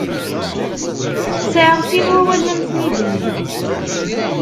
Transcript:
Sεiɣ sin wawalen ad m-ten-id-iniɣ.